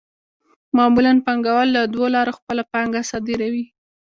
معمولاً پانګوال له دوو لارو خپله پانګه صادروي